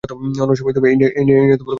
অন্য সময় এই নিয়ে কথা বলব।